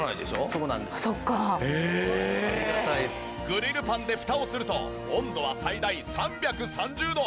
グリルパンでフタをすると温度は最大３３０度。